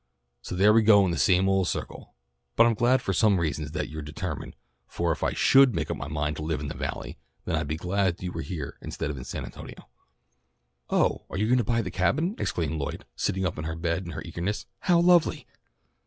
"So there we go in the same old circle. But I'm glad for some reasons that you're so determined, for if I should make up my mind to live in the Valley then I'd be glad you were here instead of in San Antonio." "Oh, are you all going to buy the Cabin?" exclaimed Lloyd, sitting up in bed in her eagerness. "How lovely."